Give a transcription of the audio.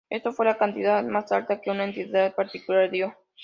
Esto fue la cantidad más alta que una entidad particular dio.